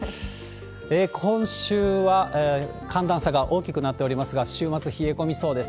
今週は寒暖差が大きくなっておりますが、週末冷え込みそうです。